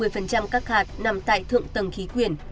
một mươi các hạt nằm tại thượng tầng khí quyển